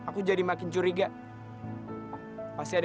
kalian mau apa sih